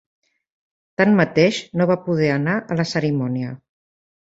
Tanmateix, no va poder anar a la cerimònia.